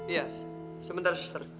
iya sebentar sister